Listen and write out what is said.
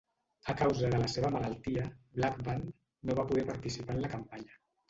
A causa de la seva malaltia, Blackburn no va poder participar en la campanya.